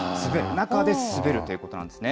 中で滑るということなんですね。